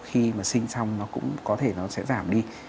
khi mà sinh xong nó cũng có thể nó sẽ giảm đi